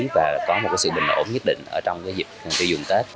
và có một sự bình ổn nhất định trong dịp tiêu dùng tết